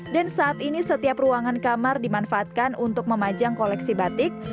dan saat ini setiap ruangan kamar dimanfaatkan untuk memajang koleksi batik